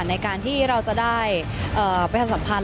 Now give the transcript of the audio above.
ในการที่เราจะได้ประชาสัมพันธ